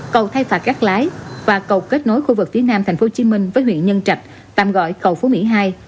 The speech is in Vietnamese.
cầu thay phạt các lái và cầu kết nối khu vực phía nam tp hcm với huyện nhân trạch tạm gọi cầu phố mỹ hai